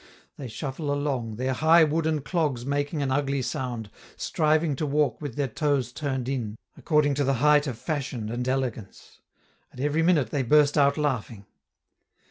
They shuffle along, their high wooden clogs making an ugly sound, striving to walk with their toes turned in, according to the height of fashion and elegance. At every minute they burst out laughing.